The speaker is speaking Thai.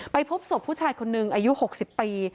พบศพผู้ชายคนหนึ่งอายุ๖๐ปี